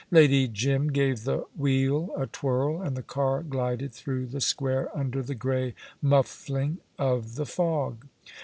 Lady Jim gave the wheel a twirl, and the car glided through the square under the grey muffling of the fog.